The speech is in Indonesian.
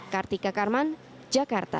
kartika karman jakarta